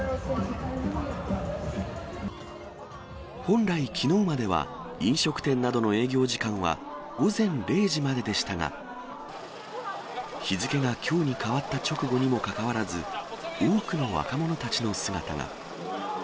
本来、きのうまでは飲食店などの営業時間は午前０時まででしたが、日付がきょうに変わった直後にもかかわらず、多くの若者たちの姿が。